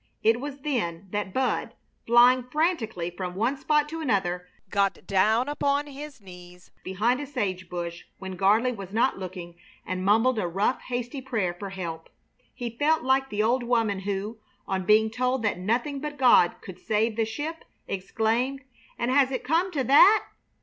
It was then that Bud, flying frantically from one spot to another, got down upon his knees behind a sage bush when Gardley was not looking and mumbled a rough, hasty prayer for help. He felt like the old woman who, on being told that nothing but God could save the ship, exclaimed, "And has it come to that?"